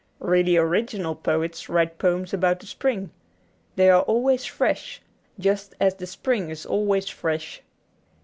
Really original poets write poems about the spring. They are always fresh, just as the spring is always fresh.